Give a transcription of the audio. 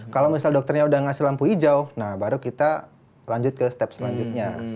kalau misal dokternya udah ngasih lampu hijau nah baru kita lanjut ke step selanjutnya